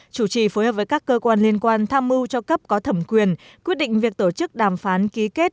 chủ trì phối hợp với các cơ quan liên quan tham mưu cho cấp có thẩm quyền quyết định việc tổ chức đàm phán ký kết